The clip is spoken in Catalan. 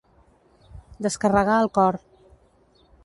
Descarregar el cor.